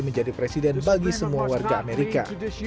menjadi presiden bagi semua warga amerika